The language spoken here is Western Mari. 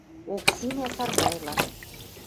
Оксинӓ Сардайлан.